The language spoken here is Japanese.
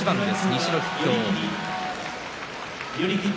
西の筆頭。